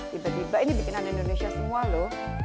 tiba tiba ini bikinan indonesia semua loh